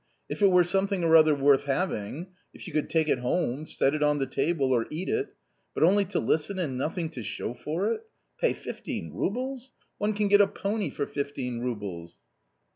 If it were something or other worth having ; if you could take it home, set it on the table or eat it ; but only to listen and nothing to show for it ; pay fifteen roubles ! One can get a pony for fifteen roubles